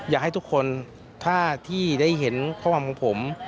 อยากให้ทุกคนถ้าที่ได้เห็นข้อความของผม